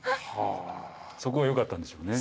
そこが良かったんでしょうね。